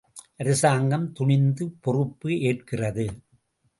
அரசாங்கம் துணிந்து பொறுப்பு ஏற்கிறது.